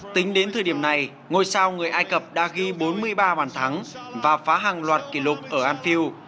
tính đến thời điểm này ngôi sao người ai cập đã ghi bốn mươi ba bàn thắng và phá hàng loạt kỷ lục ở anfield